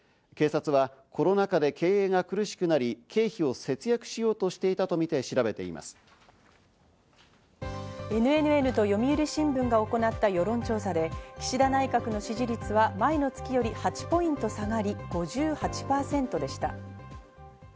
警察はコロナ禍で経営が苦しくなり、経費を節約しようとしていたＮＮＮと読売新聞が行った世論調査で岸田内閣の支持率は前の月より８ポイント下がり５８％でした。